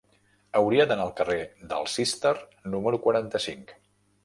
Hauria d'anar al carrer del Cister número quaranta-cinc.